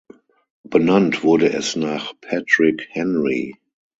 Benannt wurde es nach Patrick Henry.